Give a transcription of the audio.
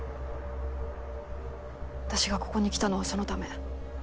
私がここに来たのはそのため。